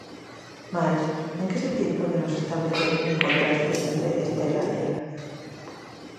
Mais, en que sentido podemos establecer un contraste entre Stella e a nai?